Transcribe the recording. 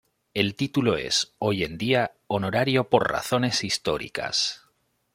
El título es, hoy en día, honorario por razones históricas.